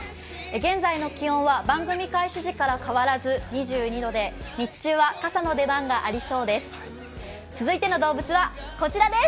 現在の気温は番組開始時から変わらず２２度で日中は傘の出番がありそうです。